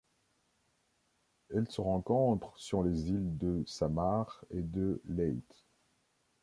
Elle se rencontre sur les îles de Samar et de Leyte.